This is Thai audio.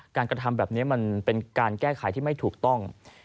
กระทำแบบนี้มันเป็นการแก้ไขที่ไม่ถูกต้อง